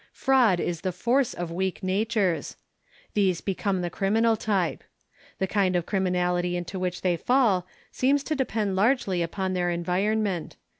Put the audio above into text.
"Fraud is the force of weak natures." These become the criminal type. The kind of criminality into which they fall seems to depend largely upon their environ ment.